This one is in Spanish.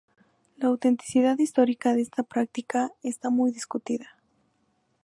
La autenticidad histórica de esta práctica está muy discutida.